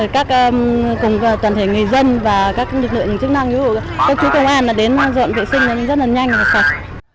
các cùng toàn thể người dân và các lực lượng chức năng ví dụ các chú công an đến dọn vệ sinh rất là nhanh và sạch